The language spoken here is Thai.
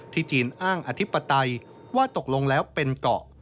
จีนอ้างอธิปไตยว่าตกลงแล้วเป็นเกาะ